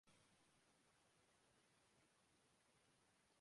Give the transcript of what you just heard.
railway کی تمام مسافر کوچز اگلے دو برسوں میں اپ گریڈ کر دیں گے سعد رفیق